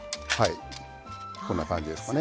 こんな感じですかね。